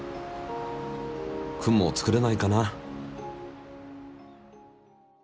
雲を作れないかな？